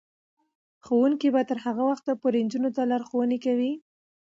ښوونکې به تر هغه وخته پورې نجونو ته لارښوونې کوي.